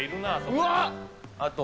うわっ！